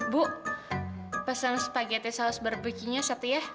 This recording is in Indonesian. bu pesen spaghetti sauce barbequenya satu ya